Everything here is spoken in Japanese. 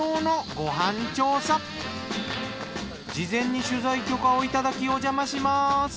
事前に取材許可をいただきおじゃまします。